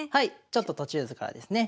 ちょっと途中図からですね。